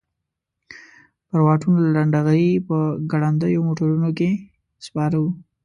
پر واټونو لنډه غري په ګړندیو موټرونو کې سپاره وو.